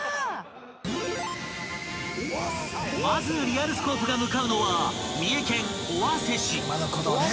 ［まずリアルスコープが向かうのは三重県尾鷲市］